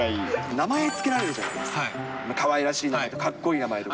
名前付けられるじゃないですか、かわいらしい名前とか、かっこいい名前とか。